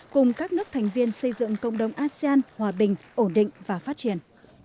cùng các nước thành viên xây dựng cộng đồng asean hòa bình ổn định và phát triển